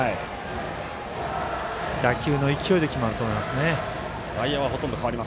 打球の勢いで決まると思います。